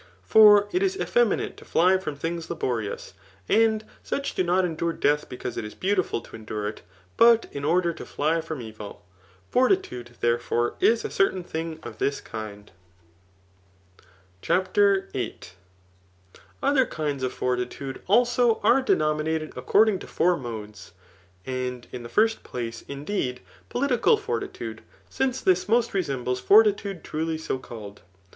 For it is effeminate to fly £rom tilings laborious ; and such do not endure death because it is beautiful to ^idure it, but in order to fly fircmi eviL Fortitude, therefore, is a certain thing of thisUnd. Digitized by Google 100 TH£ NXCOMACHEAN . AOQK Ifb CHAPTER VIII. Other kinds of fortitude, also, are denominated according to four modes; and in the first place, indeed, political fortitude, since this most resembles foVtitude truly 80 called.